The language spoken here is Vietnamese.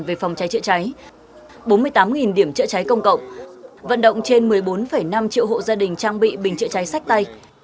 về phòng cháy chữa cháy bốn mươi tám điểm chữa cháy công cộng vận động trên một mươi bốn năm triệu hộ gia đình trang bị bình chữa cháy sách tay